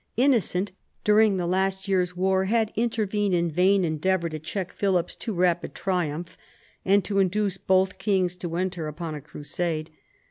Innocent, during the last year's war, had intervened in vain endeavour to check Philip's too rapid triumph and to induce both kings to enter upon a crusade.